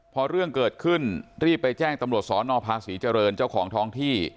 พอเรื่องเกิดขึ้นรีบไปแจ้งตำรวจสนภาษีเจริญเจ้าของท้องที่